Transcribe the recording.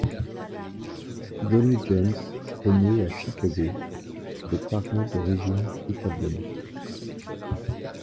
Joni James est née à Chicago, de parents d'origine italienne.